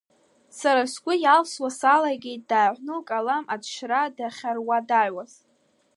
Сара сгәы иалсуа салагеит дааҳәны, лкалам аҭшьра дахьаруадаҩуаз.